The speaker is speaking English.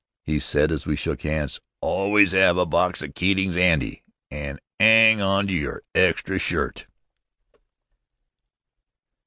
he said as we shook hands, "always 'ave a box o' Keatings 'andy, an' 'ang on to yer extra shirt!"